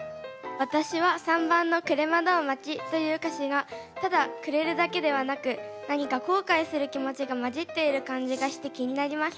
私は３番の「暮れ惑う街」という歌詞がただ暮れるだけではなく何か後悔する気持ちがまじっている感じがして気になりました。